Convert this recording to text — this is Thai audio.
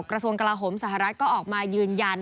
กับกระสวนกะลาโหนสหรัฐก็ออกมายืนยัน